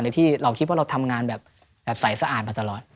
ที่เราคิดว่าเราทำงานแบบใสสะอาดมาตลอด